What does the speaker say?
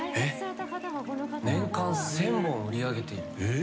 年間１０００本売り上げている。